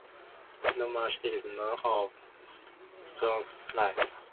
Not much is known of Stoughton's life.